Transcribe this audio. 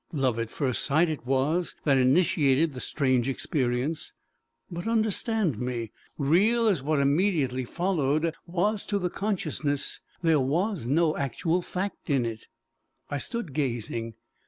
Love at first sight it was that initiated the strange experience. But understand me: real as what immediately followed was to the consciousness, there was no actual fact in it. I stood gazing.